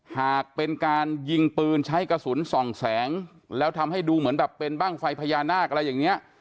หากเป็นการยิงปืนใช้กระสุนส่องแสงแล้วทำให้ดูเหมือนแบบเป็นบ้างไฟพญานาคอะไรอย่างนี้